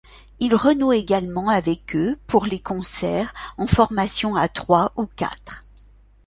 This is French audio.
Il renoue également avec eux pour les concerts, en formation à trois ou quatre.